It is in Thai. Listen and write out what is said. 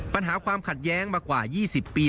ปัญหาความขัดแย้งมากว่า๒๐ปี